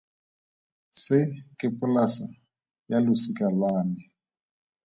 Se ke polasa ya losika lwa me.